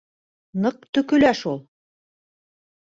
Ныҡ төкөлә шул.